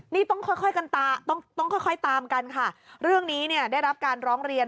นี่ต้องค่อยตามกันค่ะเรื่องนี้ได้รับการร้องเรียน